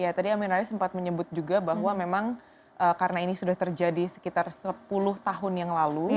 ya tadi amin rais sempat menyebut juga bahwa memang karena ini sudah terjadi sekitar sepuluh tahun yang lalu